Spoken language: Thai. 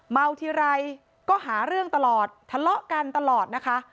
เมาทีไรก็หาเรื่องตลอดทะเลาะกันตลอดนะคะ